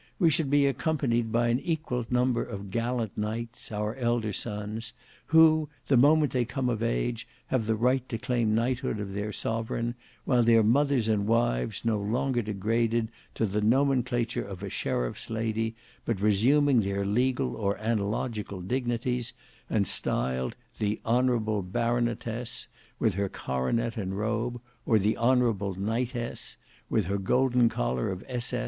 We should be accompanied by an equal number of gallant knights, our elder sons, who, the moment they come of age, have the right to claim knighthood of their sovereign, while their mothers and wives, no longer degraded to the nomenclature of a sheriff's lady, but resuming their legal or analogical dignities, and styled the 'honourable baronetess,' with her coronet and robe, or the 'honourable knightess,' with her golden collar of S.